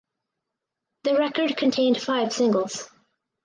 The record contained five singles.